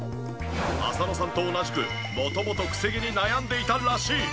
浅野さんと同じく元々クセ毛に悩んでいたらしい。